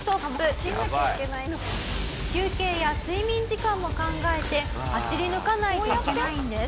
休憩や睡眠時間も考えて走り抜かないといけないんです。